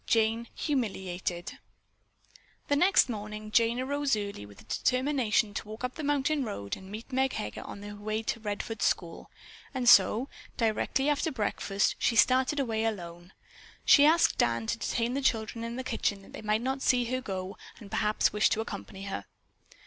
JANE HUMILIATED The next morning Jane arose early with the determination to walk up the mountain road and meet Meg Heger on her way to the Redfords school. And so, directly after breakfast, she started away alone. She asked Dan to detain the children in the kitchen that they might not see her go and perhaps wish to accompany her.